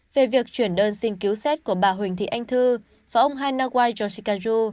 về việc chuyển đơn xin cứu sát